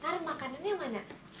taruh makanannya mana